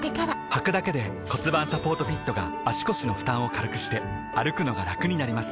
はくだけで骨盤サポートフィットが腰の負担を軽くして歩くのがラクになります